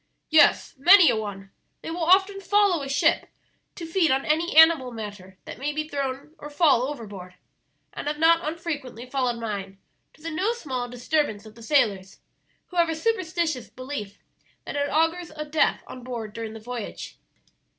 "Yes, many a one. They will often follow a ship to feed on any animal matter that may be thrown or fall overboard, and have not unfrequently followed mine, to the no small disturbance of the sailors, who have a superstitious belief that it augurs a death on board during the voyage."